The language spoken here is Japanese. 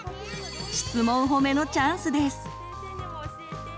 「シツモン褒め」のチャンスです。